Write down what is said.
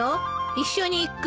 一緒に行く？